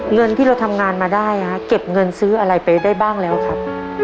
เงินที่เราทำงานมาได้เก็บเงินซื้ออะไรไปได้บ้างแล้วครับ